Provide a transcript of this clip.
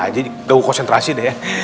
jadi gak mau konsentrasi deh ya